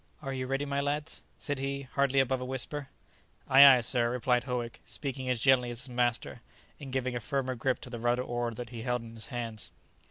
"Are you ready, my lads?" said he, hardly above a whisper. "Ay, ay, sir," replied Howick, speaking as gently as his master, and giving a firmer grip to the rudder oar that he held in his hands.